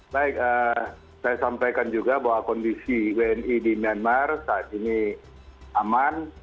baik saya sampaikan juga bahwa kondisi wni di myanmar saat ini aman